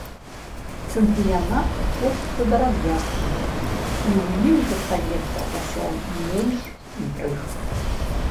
Чэмпіянат коціцца да развязкі, і ў ім застаецца ўсё менш інтрыг.